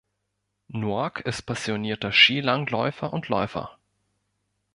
Noack ist passionierter Skilangläufer und Läufer.